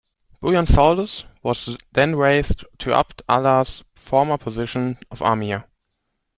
Buyan Suldus was then raised to 'Abd Allah's former position of amir.